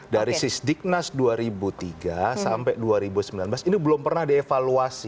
dari sisdiknas dua ribu tiga sampai dua ribu sembilan belas ini belum pernah dievaluasi